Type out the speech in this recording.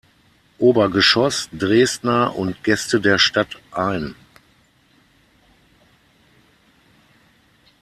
Obergeschoss Dresdner und Gäste der Stadt ein.